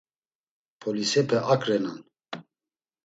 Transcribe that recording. Polisepe ak renan.